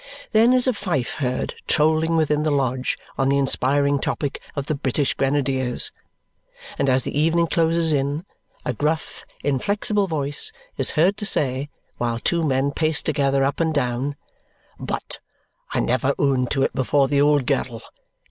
Then is a fife heard trolling within the lodge on the inspiring topic of the "British Grenadiers"; and as the evening closes in, a gruff inflexible voice is heard to say, while two men pace together up and down, "But I never own to it before the old girl.